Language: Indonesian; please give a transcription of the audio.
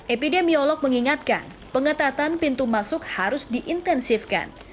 epidemiolog mengingatkan pengetatan pintu masuk harus diintensifkan